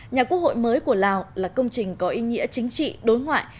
nhà quốc hội mới của lào là công trình có ý nghĩa chính trị đối ngoại